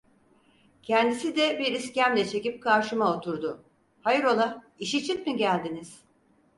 Kendisi de bir iskemle çekip karşıma oturdu: "Hayır ola? İş için mi geldiniz?"